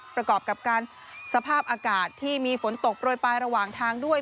ประกอบกับการสภาพอากาศที่มีฝนตกโปรยปลายระหว่างทางด้วย